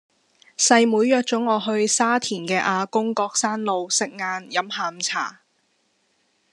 細妹約左我去沙田嘅亞公角山路食晏飲下午茶